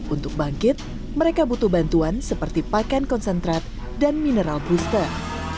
untuk bangkit mereka butuh bantuan seperti pakan konsentrat dan mineral booster